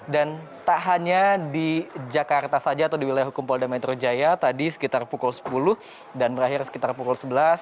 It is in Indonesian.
dan tak hanya di jakarta saja atau di wilayah hukum polda metro jaya tadi sekitar pukul sepuluh dan berakhir sekitar pukul sebelas